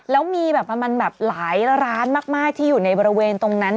แล้วมีแบบประมาณแบบหลายร้านมากที่อยู่ในบริเวณตรงนั้น